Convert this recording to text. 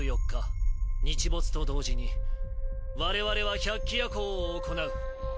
日没と同時に我々は百鬼夜行を行う。